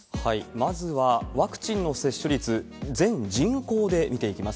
まずはワクチンの接種率、全人口で見ていきます。